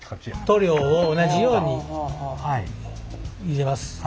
塗料を同じように入れます。